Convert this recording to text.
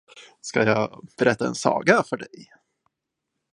Ska jag berätta en saga för dig?